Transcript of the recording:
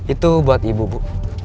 itu buat ibu bu